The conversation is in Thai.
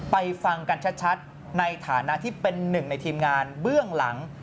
ฟังกันชัดในฐานะที่เป็นหนึ่งในทีมงานเบื้องหลัง